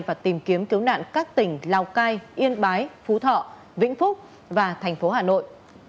và tìm kiếm cứu nạn các tỉnh lào cai yên bái phú thọ vĩnh phúc và thành phố hà nội